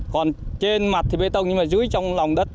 còn trên mặt thì bê tông nhưng mà dưới trong lòng đất